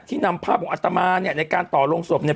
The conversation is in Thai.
นำภาพของอัตมาเนี่ยในการต่อลงศพเนี่ย